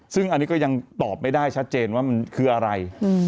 ซึ่งอันนี้ก็ยังตอบไม่ได้ชัดเจนว่ามันคืออะไร